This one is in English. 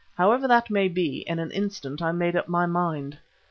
However that might be, in an instant I made up my mind.